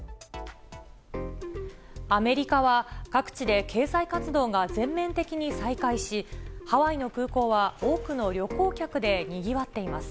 アメリカは各地で経済活動が全面的に再開し、ハワイの空港は多くの旅行客でにぎわっています。